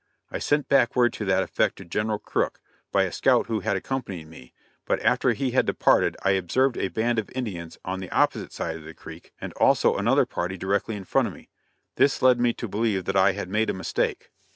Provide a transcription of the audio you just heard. I sent back word to that effect to General Crook, by a scout who had accompanied me, but after he had departed I observed a band of Indians on the opposite side of the creek, and also another party directly in front of me. This led me to believe that I had made a mistake.